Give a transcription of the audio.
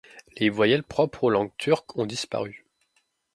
Les voyelles propres aux langues turques ont disparu.